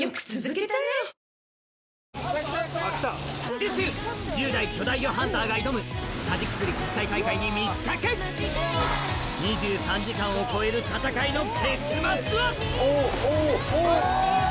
次週１０代巨大魚ハンターが挑むカジキ釣り国際大会に密着２３時間を超える戦いの結末は⁉